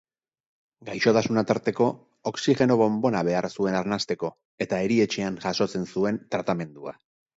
Gaixotasuna tarteko, oxigeno-bonbona behar zuen arnasteko, eta erietxean jasotzen zuen tratamendua.